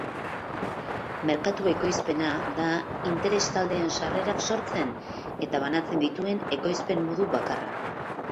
Merkatu-ekoizpena da interes-taldeen sarrerak sortzen eta banatzen dituen ekoizpen-modu bakarra.